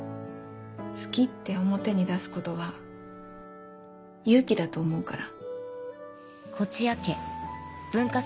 「好き」って表に出すことは勇気だと思うから。